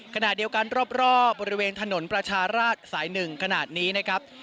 ขณะเดียวกันรอบบริเวณถนนประชาราชสาย๑ขนาดนี้นะครับ